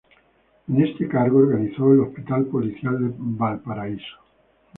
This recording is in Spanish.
En este cargo, organizó el Hospital Policial de Valparaíso.